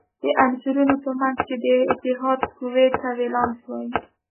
د عنصرونو په منځ کې د اتحاد قوې ته ولانس وايي.